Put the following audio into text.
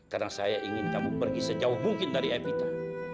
karena saya ingin kamu pergi sejauh mungkin dari evita